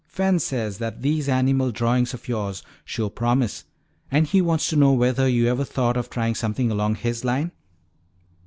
"Fen says that these animal drawings of yours show promise and he wants to know whether you ever thought of trying something along his line?"